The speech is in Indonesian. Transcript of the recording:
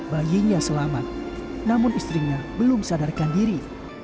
bayinya selamat namun istrinya belum sadarkan diri